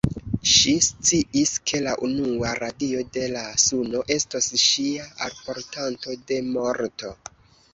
Ŝi sciis, ke la unua radio de la suno estos ŝia alportanto de morto.